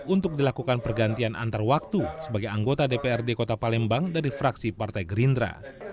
untuk dilakukan pergantian antar waktu sebagai anggota dprd kota palembang dari fraksi partai gerindra